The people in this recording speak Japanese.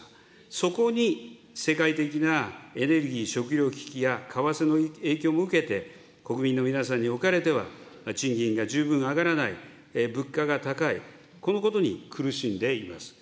そこに世界的なエネルギー食料危機や為替の影響も受けて、国民の皆さんにおかれては、賃金が十分上がらない、物価が高い、このことに苦しんでいます。